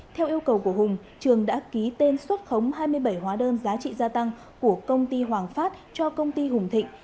theo yêu cầu của hùng trường đã ký tên xuất khống hai mươi bảy hóa đơn giá trị gia tăng của công ty hoàng phát cho công ty hùng thịnh